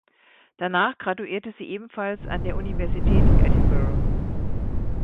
Danach graduierte sie ebenfalls an der Universität Edinburgh.